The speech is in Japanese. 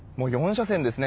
４車線ですね。